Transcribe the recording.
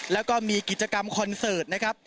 แล้วก็มีกิจกรรมคอนเสิร์ตนะครับ